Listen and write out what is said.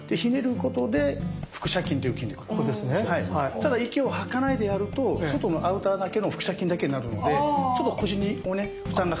ただ息を吐かないでやると外のアウターだけの腹斜筋だけになるのでちょっと腰に負担がかかる部分があるので。